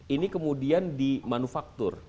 ini kemudian dimanufaktur